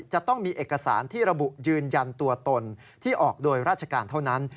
จะต้องมีเอกสารที่ระบุยืนยันตัวตนที่ออกโดยราชการเท่านั้น